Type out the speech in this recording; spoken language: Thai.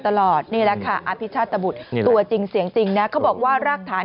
ตลอดนี่แหละค่ะอภิชาตบุตรตัวจริงเสียงจริงนะเขาบอกว่ารากฐาน